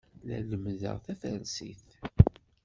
La lemmdeɣ tafarsit.